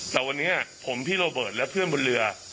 แต่วันนี้ผมพี่โรเบิร์ตและเพื่อนบนเรือ